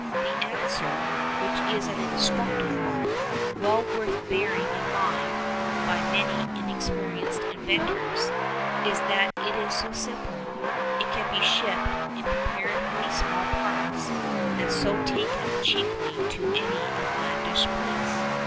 The answer, which is an instructive one, well worth bearing in mind by many inexperienced inventors, is that it is so simple. It can be shipped in comparatively small parts, and so taken cheaply to any outlandish place.